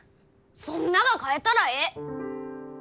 そんなが変えたらえい！